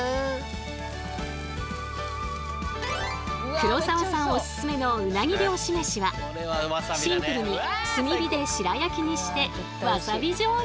黒澤さんおすすめのうなぎ漁師飯はシンプルに炭火で白焼きにしてわさびじょうゆで。